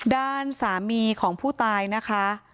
ด้านสามีของผู้ตายนะคะ